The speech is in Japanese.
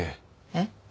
えっ？